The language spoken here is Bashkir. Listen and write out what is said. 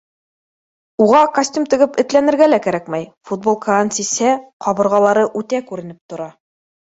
Уға костюм тегеп этләнергә лә кәрәкмәй, футболкаһын сисһә — ҡабырғалары үтә күренеп тора.